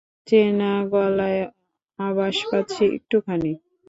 চেনা গলার আভাস পাচ্ছি একটুখানি।